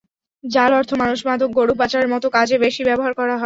জাল অর্থ মানুষ, মাদক, গরু পাচারের মতো কাজে বেশি ব্যবহার করা হয়।